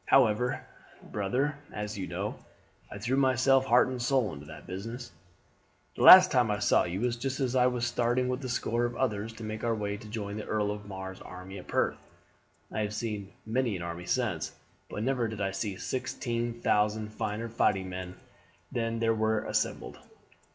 However, brother, as you know, I threw myself heart and soul into that business. "The last time I saw you was just as I was starting with a score of others to make our way to join the Earl of Mar's army at Perth. I have seen many an army since, but never did I see sixteen thousand finer fighting men than were there assembled.